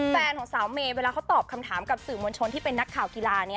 แฟนของสาวเมย์เวลาเขาตอบคำถามกับสื่อมวลชนที่เป็นนักข่าวกีฬา